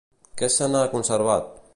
Què se n'ha conservat?